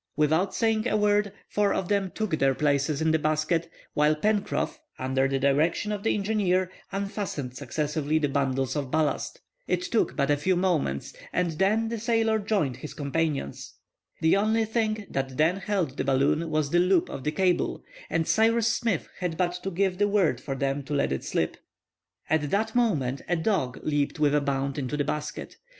Without saying a word, four of them took their places in the basket, while Pencroff, under the direction of the engineer, unfastened successively the bundles of ballast. It took but a few moments, and then the sailor joined his companions. The only thing that then held the balloon was the loop of the cable, and Cyrus Smith had but to give the word for them to let it slip. At that moment, a dog leaped with a bound into the basket.